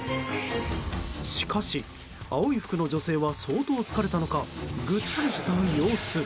しかし、青い服の女性は相当疲れたのかぐったりした様子。